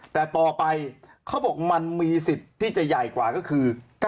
แต่ต่อไปเขาบอกมันมีสิทธิ์ที่จะใหญ่กว่าก็คือ